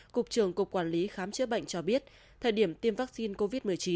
cục trưởng cục quản lý khám chữa bệnh cho biết thời điểm tiêm vaccine covid một mươi chín